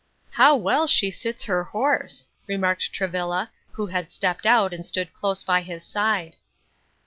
"How well she sits her horse!" remarked Travilla, who had stepped out and stood close by his side.